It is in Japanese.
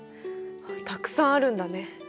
たくさんあるんだね。